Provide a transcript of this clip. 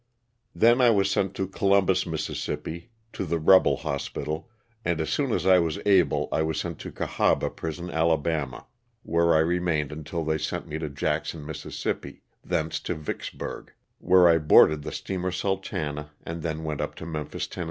Then I was sent to Columbus, Miss., to the rebel hospital, and as soon as I was able I was sent to Oahaba prison, Ala., where I remained un til they sent me to Jackson, Miss. ; thence to Vicks burg, where I boarded the steamer "Sultana," and then we went up to Memphis, Tenn.